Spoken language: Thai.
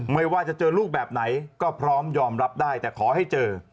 ไม่ว่าจะเจอลูกแบบไหนก็พร้อมยอมรับได้แต่ขอให้เจอ